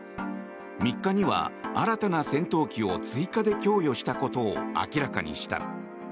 ３日には、新たな戦闘機を追加で供与したことを明らかにした。